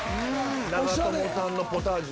長友さんのポタージュ。